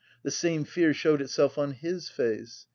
The same fear showed itself on his face.